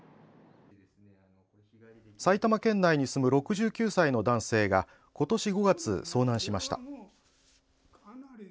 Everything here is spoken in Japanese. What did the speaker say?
埼玉県内に住む６９歳の男性が今年５月、遭難しました。